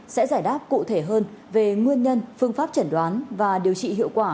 sẽ giải đáp cụ thể hơn về nguyên nhân phương pháp chẩn đoán và điều trị hiệu quả